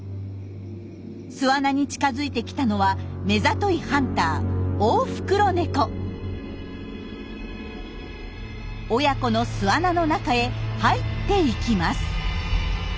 巣穴に近づいてきたのは目ざといハンター親子の巣穴の中へ入っていきます。